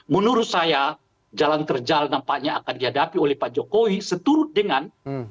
menurut saya jalan terjal nampaknya akan dihadapi oleh pak jokowi seturut dengan